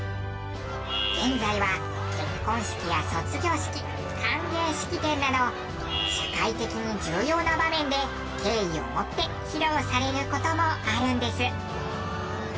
現在は結婚式や卒業式歓迎式典など社会的に重要な場面で敬意を持って披露される事もあるんです。